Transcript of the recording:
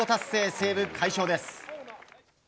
西武快勝です。